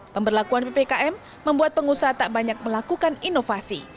pemberlakuan ppkm membuat pengusaha tak banyak melakukan inovasi